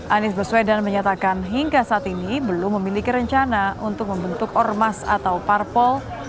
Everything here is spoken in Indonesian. anies baswedan menyatakan hingga saat ini belum memiliki rencana untuk membentuk ormas atau parpol